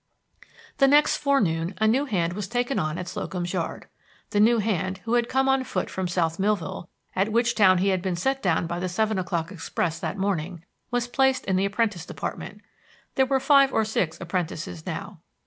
The next forenoon a new hand was taken on at Slocum's Yard. The new hand, who had come on foot from South Millville, at which town he had been set down by the seven o'clock express that morning, was placed in the apprentice department, there were five or six apprentices now.